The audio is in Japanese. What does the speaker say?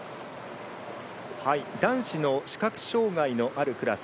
男子の視覚障がいのあるクラス。